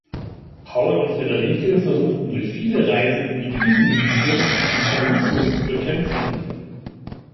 Paul und Friederike versuchten durch viele Reisen in die Krisengebiete den Kommunismus zu bekämpfen.